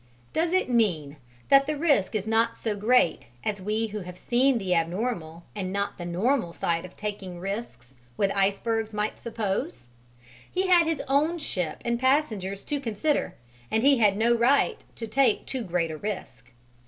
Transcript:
Does it mean that the risk is not so great as we who have seen the abnormal and not the normal side of taking risks with icebergs might suppose? He had his own ship and passengers to consider, and he had no right to take too great a risk.